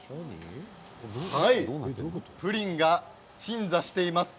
プリンが鎮座しています。